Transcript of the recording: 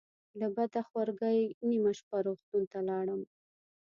له بده خورګۍ نیمه شپه روغتون ته لاړم.